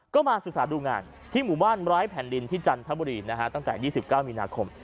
ก็มาศึกษาดูงานที่หมู่บ้านร้ายแผ่นดินที่จันทบุรีนะฮะตั้งแต่๒๙มีนาคม